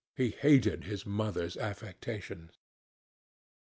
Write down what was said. He hated his mother's affectations.